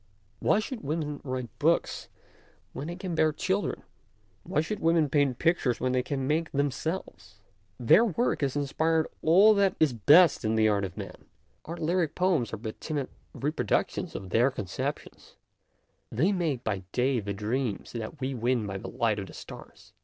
Why should women write books when they can bear children? Why should women paint pictures when they can make them selves? Their work has inspired all that 132 MONOLOGUES is best in the art of man ; our lyric poems are but timid reproductions of their concep tions ; they make by day the dreams that we win by the light of the stars.